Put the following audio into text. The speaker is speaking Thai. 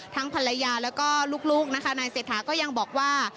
ทั้งภรรยาและลูกนายเสถาก็ยังบอกว่า